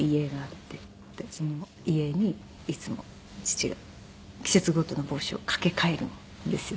その遺影にいつも父が季節ごとの帽子をかけ替えるんですよね。